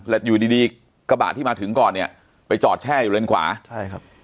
แล้วอยู่ดีดีกระบะที่มาถึงก่อนเนี่ยไปจอดแช่อยู่เลนขวาใช่ครับ